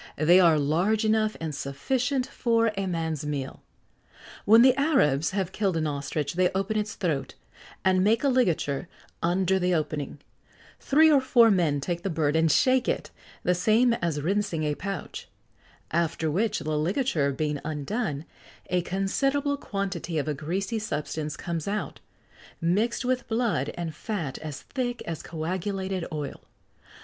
They are large enough and sufficient for a man's meal. When the Arabs have killed an ostrich they open its throat, and make a ligature under the opening; three or four men take the bird, and shake it, the same as rincing a pouch; after which, the ligature being undone, a considerable quantity of a greasy substance comes out, mixed with blood and fat as thick as coagulated oil.